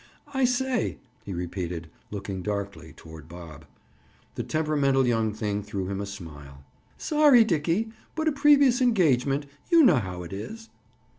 "I say—" he repeated, looking darkly toward Bob. The temperamental young thing threw him a smile. "Sorry, Dickie, but a previous engagement.—You know how it is!"